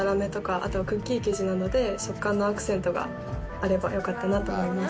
あとはクッキー生地などで食感のアクセントがあればよかったなと思います。